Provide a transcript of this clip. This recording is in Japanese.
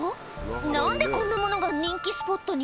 何でこんなものが人気スポットに？